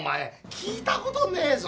聞いた事ねえぞ。